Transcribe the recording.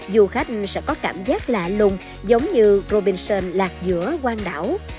du khách sẽ có cảm giác lạ lùng giống như robinson lạc giữa quang đảo